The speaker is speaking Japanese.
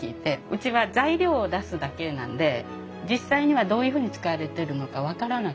うちは材料を出すだけなんで実際にはどういうふうに使われてるのか分からなくて。